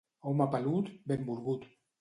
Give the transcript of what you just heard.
Home pelut, benvolgut.